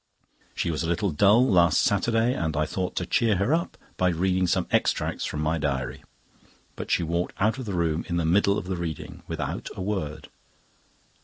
She was a little dull last Saturday, and I thought to cheer her up by reading some extracts from my diary; but she walked out of the room in the middle of the reading, without a word.